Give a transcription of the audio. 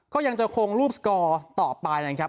ก็ยังจะคงรูปสกอร์ต่อไปนะครับ